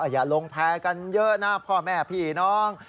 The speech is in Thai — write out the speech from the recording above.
อย่าลงแพร่กันเยอะนะพ่อแม่พี่น้อง